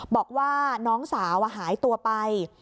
บอกว่าน้องสาวหายตัวไป